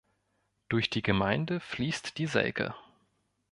Durch die Gemeinde fließt die Selke.